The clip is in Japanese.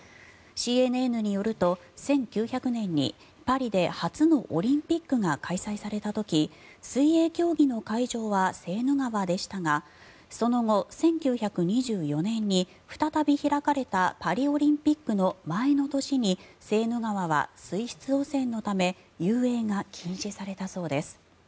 ＣＮＮによると１９００年にパリで初のオリンピックが開催された時水泳競技の会場はセーヌ川でしたがその後１９２４年に再び開かれたパリオリンピックの前の年にセーヌ川は水質汚染のため遊泳が禁止されたそうです。